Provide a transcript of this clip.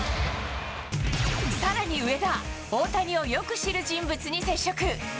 さらに上田、大谷をよく知る人物に接触。